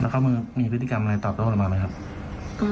เสียงมันเดินเข้าบ้านพูดแค่นี้เลยค่ะอืมแล้วก็มีพฤติกรรมอะไรต่อไปบ้างไหมครับ